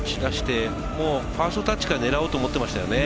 ファーストタッチから狙おうと思っていましたよね。